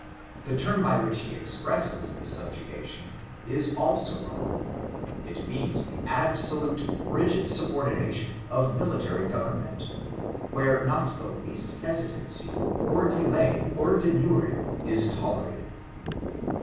The term by which he expresses the subjection, is also strong: it means the absolute, rigid subordination of military government; where not the least hesitancy, or delay, or demurring, is tolerated.